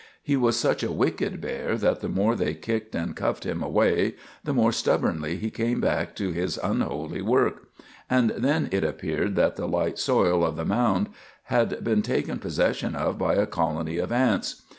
He was such a wicked bear that the more they kicked and cuffed him away, the more stubbornly he came back to his unholy work; and then it appeared that the light soil of the mound had been taken possession of by a colony of ants.